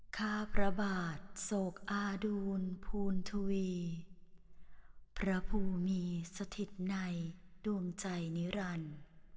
ข้าพระบาทโศกอาดูลภูณทวีพระภูมิมีสถิตในดวงใจนิรันดิ์